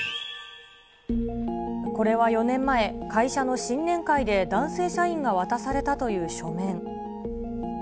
これは４年前、会社の新年会で男性社員が渡されたという書面。